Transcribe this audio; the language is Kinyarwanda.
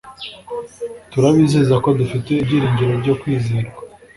Turabizeza ko dufite ibyiringiro byo kwizerwa